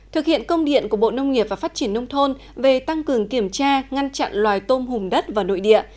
thực hiện công điện của bộ nông nghiệp và phát triển nông thôn về tăng cường kiểm tra ngăn chặn loài tôm hùng đất và nội địa